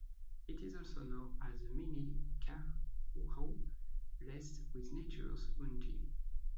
It is also known as the "Mini Khajuraho" blessed with natures bounty.